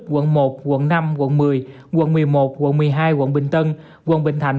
quận một quận năm quận một mươi quận một mươi một quận một mươi hai quận bình tân quận bình thành